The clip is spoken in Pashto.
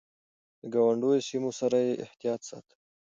د ګاونډيو سيمو سره يې احتياط ساته.